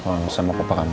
kalau sama ke pak kamu